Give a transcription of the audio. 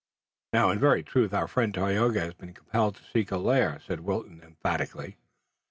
"Now, in very truth, our friend Tayoga has been compelled to seek a lair," said Wilton emphatically.